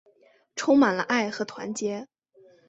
充满了爱和团结